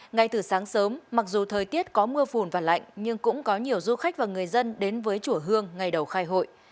ngay từ sáng sớm mặc dù thời tiết có mưa phùn và lạnh nhưng cũng có nhiều du khách và người dân đến với chùa hương ngày đầu khai hội